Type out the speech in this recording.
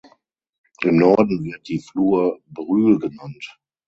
Im Norden wird die Flur Brühl genannt.